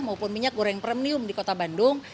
maupun minyak goreng premium di kota bandung